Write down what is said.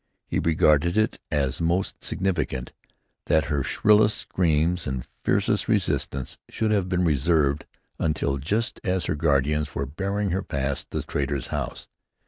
He regarded it as most significant that her shrillest screams and fiercest resistance should have been reserved until just as her guardians were bearing her past the trader's house.